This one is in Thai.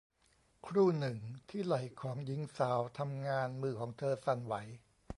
ครู่หนึ่งที่ไหล่ของหญิงสาวทำงานมือของเธอสั่นไหว